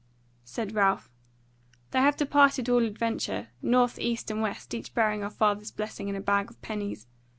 Said Ralph: "They have departed at all adventure, north, east, and west, each bearing our father's blessing and a bag of pennies.